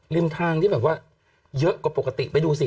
ริมทางที่แบบว่าเยอะกว่าปกติไปดูสิ